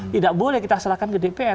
tidak boleh kita serahkan ke dpr